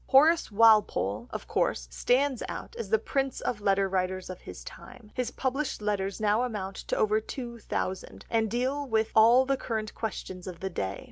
Horace Walpole, of course, stands out as the prince of letter writers of his time; his published letters now amount to over two thousand, and deal with all the current questions of the day.